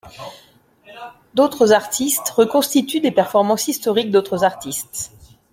D’autres artistes reconstituent des performances historiques d’autres artistes.